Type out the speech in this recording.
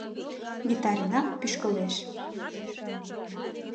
Витаренак пӱшкылеш.